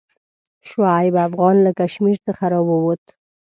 شعیب افغان له کشمیر څخه راووت.